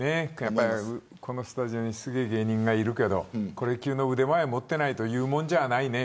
このスタジオにすごい芸人がいるけどこれ級の腕前を持っていないと言うもんじゃないね。